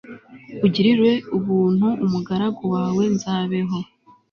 ugirire ubuntu umugaragu wawe, nzabeho